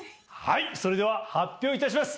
それでは発表いたします！